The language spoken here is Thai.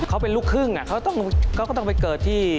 เขาเป็นลูกครึ่งเขาก็ต้องไปเกิดที่